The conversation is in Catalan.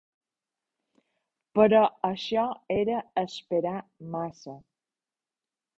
Però això era esperar massa.